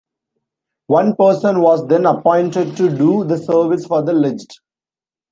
One person was then appointed to do the service for the legd.